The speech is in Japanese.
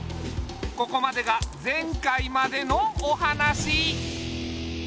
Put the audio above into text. ここまでが前回までのお話。